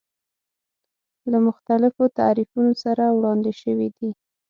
له مختلفو تعریفونو سره وړاندې شوی دی.